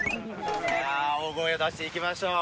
さあ大声を出していきましょう。